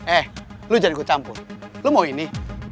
eh lo jangan gue campur lo mau ini